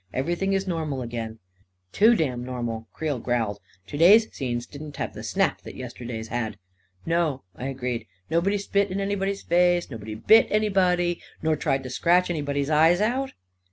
" Everything is normal again." " Too damned normal !" Creel growled. " To day's scenes didn't have the snap that yesterday's had." " No," I agreed; " nobody spit in anybody's face; nobody bit anybody, nor tried to scratch anybody's eyes out